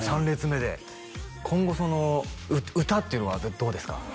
３列目で今後その歌っていうのはどうですか？